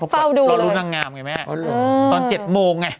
เฝ้าดูรอรุ้นทางงามเห็นไหมอืมตอนเจ็ดโมงไง